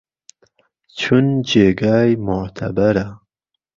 چونجێگای موعتهبەره